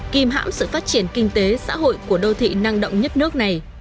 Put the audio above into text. kìm hãm sự phát triển kinh tế xã hội của đô thị năng động nhất nước này